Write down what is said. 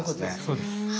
そうです。